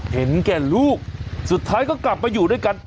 เห็นแก่ลูกสุดท้ายก็กลับมาอยู่ด้วยกัน